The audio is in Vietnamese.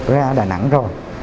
ra đà nẵng rồi